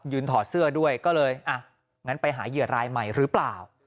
ถอดเสื้อด้วยก็เลยอ่ะงั้นไปหาเหยื่อรายใหม่หรือเปล่า